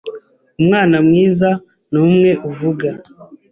Umwana mwiza ni umwe uvuga